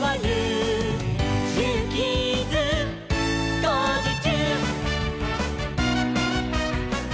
「ジューキーズ」「こうじちゅう！」